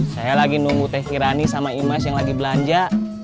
saya lagi nunggu teh irani sama imes yang lagi belanja